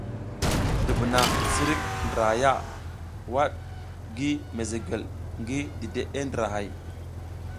Dubuna sirik drahaya waɗ gi mezegwel ngi dideʼe ndrahay.